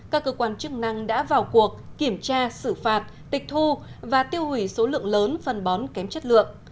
các cơ quan chức năng đã vào cuộc kiểm tra xử phạt tịch thu và tiêu hủy số lượng lớn phân bón kém chất lượng